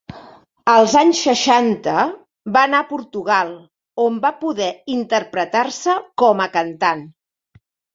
Als anys seixanta va anar a Portugal, on va poder interpretar-se com a cantant.